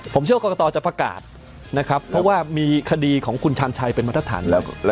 ผมเชื่อว่ากรกตจะประกาศนะครับเพราะว่ามีคดีของคุณชาญชัยเป็นมาตรฐานแล้ว